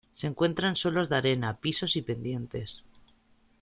Se encuentra en suelos de arena, pisos y pendientes.